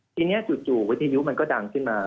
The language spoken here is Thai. ทีนี้จู่วิทยุมันก็ดังขึ้นมา